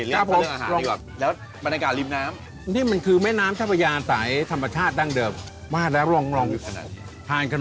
ตอนนี้คุณก็เห็นว่ายกมือว่ายแล้วนะ